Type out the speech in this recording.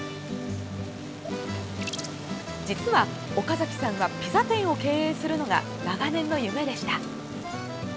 実は、岡崎さんはピザ店を経営するのが長年の夢でした。